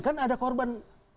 kan ada korban